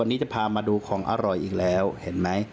วันนี้จะพามาดูของอร่อยอีกแล้วเห็นไหม